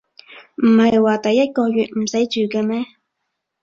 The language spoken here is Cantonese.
唔係話第一個月唔使住嘅咩